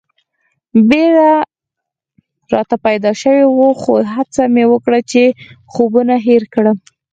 بېره راته پیدا شوې وه خو هڅه مې وکړه چې خوبونه هېر کړم.